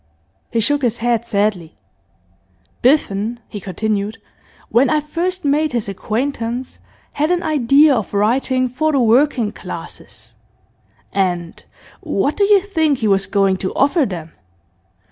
He shook his head sadly. 'Biffen,' he continued, 'when I first made his acquaintance, had an idea of writing for the working classes; and what do you think he was going to offer them?